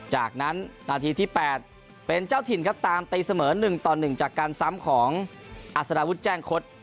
จากนั้นนัดที่ที่แปดเป็นเจ้าถิ่นครับตามตีเสมอหนึ่งต่อหนึ่งจากการซ้ำของอัศนาวุฒิแจ้งคลด